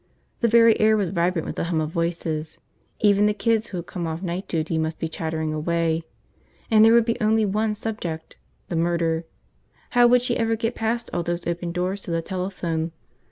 The very air was vibrant with the hum of voices. Even the kids who had come off night duty must be chattering away. And there would be only one subject. The murder. How would she ever get past all those open doors to the telephone?